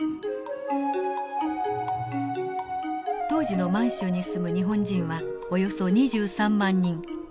当時の満州に住む日本人はおよそ２３万人。